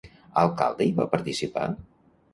Alcalde hi va participar?